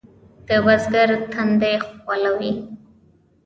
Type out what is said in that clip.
د بزګر تندی خوله وي.